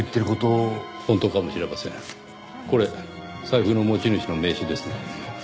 これ財布の持ち主の名刺ですね。